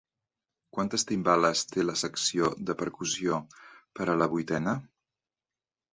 Quantes timbales té la secció de percussió per a la Vuitena?